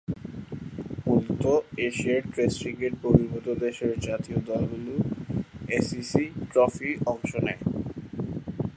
মূলতঃ এশিয়ার test cricket বহির্ভূত দেশের জাতীয় দলগুলো এসিসি ট্রফিতে অংশ নেয়।